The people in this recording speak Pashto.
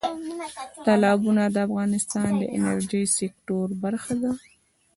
تالابونه د افغانستان د انرژۍ سکتور برخه ده.